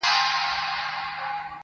ړنده شې دا ښېرا ما وکړله پر ما دې سي نو~